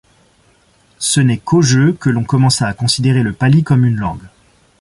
Ce n'est qu'au que l'on commença à considérer le pali comme une langue.